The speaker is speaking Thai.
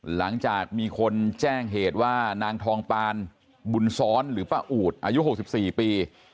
หลังจากมีคนแจ้งเหตุว่านางทองปานบุญซ้อนหรือป้าอูดอายุ๖๔ปี